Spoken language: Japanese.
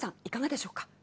いかがでしょうか？